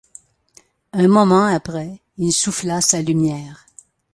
Un moment après il souffla sa lumière.